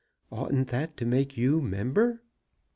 Oughtn't that to make you member?"